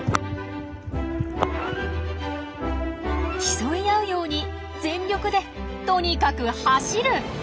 競い合うように全力でとにかく走る！